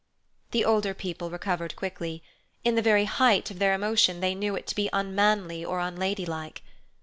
The older people recovered quickly. In the very height of their emotion they knew it to be unmanly or unladylike.